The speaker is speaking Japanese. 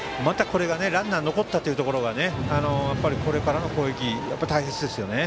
これがランナーが残ったというところがこれからの攻撃、大切ですよね。